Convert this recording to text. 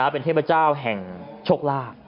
เป็นเทพเจ้าแห่งโชคลาภ